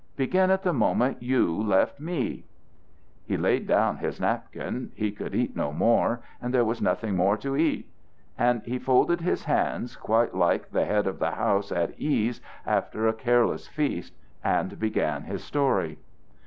Begin at the moment you left me." He laid down his napkin, he could eat no more, and there was nothing more to eat, and he folded his hands quite like the head of the house at ease after a careless feast, and began his story.